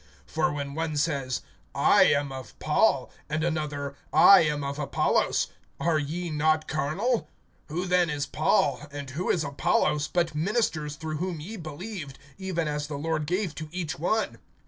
(4)For when one says, I am of Paul; and another, I am of Apollos; are ye not carnal? (5)Who then is Paul, and who is Apollos, but ministers through whom ye believed, even as the Lord gave to each one?